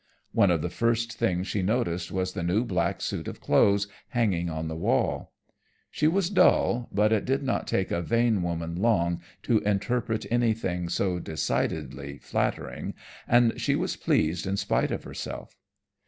One of the first things she noticed was the new black suit of clothes hanging on the wall. She was dull, but it did not take a vain woman long to interpret anything so decidedly flattering, and she was pleased in spite of herself.